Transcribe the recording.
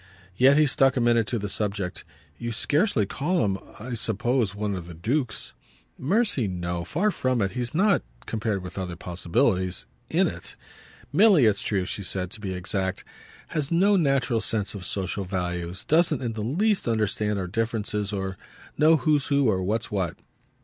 Yet he stuck a minute to the subject. "You scarcely call him, I suppose, one of the dukes." "Mercy, no far from it. He's not, compared with other possibilities, 'in' it. Milly, it's true," she said, to be exact, "has no natural sense of social values, doesn't in the least understand our differences or know who's who or what's what."